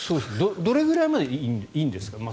どれくらいまでいいんですか？